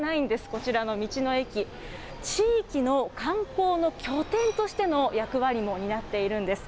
こちらの道の駅、地域の観光の拠点としての役割も担っているんです。